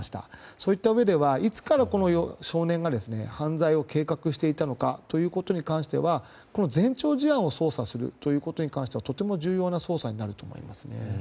そういったうえではいつからこの少年が犯罪を計画していたのかということに関しては前兆事案を捜査することに関してはとても重要な捜査になると思います。